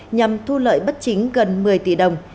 nhằm thu lợi bất chính gần một mươi tỷ đồng